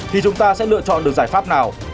thì chúng ta sẽ lựa chọn được giải pháp nào